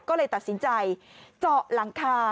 ก็เลยตัดสินใจเจาะหลังคา